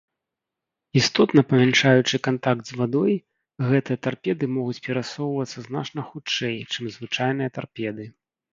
Істотна памяншаючы кантакт з вадой, гэтыя тарпеды могуць перасоўвацца значна хутчэй, чым звычайныя тарпеды.